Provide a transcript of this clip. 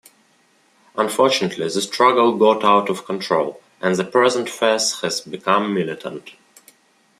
Unfortunately, the struggle got out of control, and the present phase has become militant.